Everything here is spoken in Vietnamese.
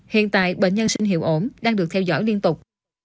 hiện tại bệnh nhân sinh hiệu ổn đang được theo dõi liên tục